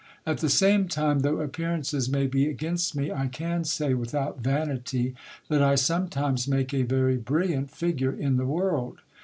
At the same time, though appearances may be against me, I can say, without vanity, that I sometimes make a very brilliant figure in the world.